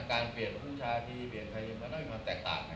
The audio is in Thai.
การเปลี่ยนชาดีเปลี่ยนเพลงมันต้องมีความแตกต่าง